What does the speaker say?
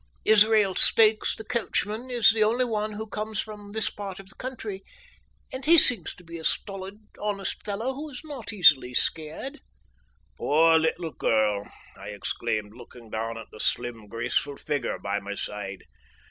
Israel Stakes, the coachman, is the only one who comes from this part of the country, and he seems to be a stolid, honest fellow, who is not easily scared." "Poor little girl," I exclaimed, looking down at the slim, graceful figure by my side.